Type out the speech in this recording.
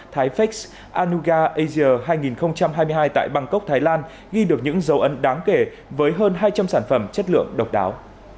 thái fax anuga asia hai nghìn hai mươi hai tại bangkok thái lan ghi được những dấu ấn đáng kể với hơn hai trăm linh sản phẩm chất lượng độc đáo